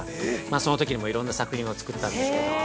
そのときにもいろん作品を作ったんですけども。